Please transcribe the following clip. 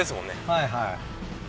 はいはい。